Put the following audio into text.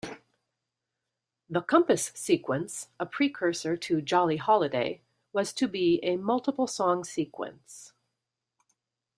The Compass Sequence, a precursor to "Jolly Holiday", was to be a multiple-song sequence.